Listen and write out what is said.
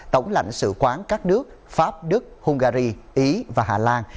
tổng lãnh sự quán các nước pháp đức hungary ý và hà lan